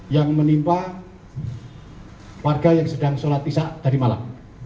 yang menimpa warga yang sedang sholat isya tadi malam